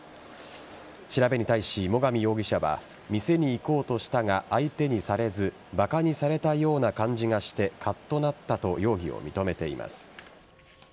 調べに対し、最上容疑者は店に行こうとしたが相手にされずバカにされたような感じがしてカッとなったと容疑を認めています。